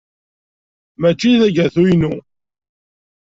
Mačči d agatu-inu.